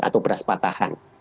atau beras patahan